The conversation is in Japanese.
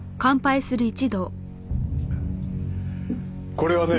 これはね